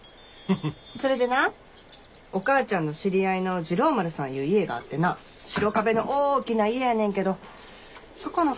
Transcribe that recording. それでなお母ちゃんの知り合いの治郎丸さんいう家があってな白壁の大きな家やねんけどそこの法事に出たってほしいねん。